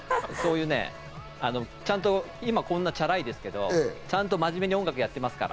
今こんなチャラいですけど、ちゃんと真面目に音楽やってますから。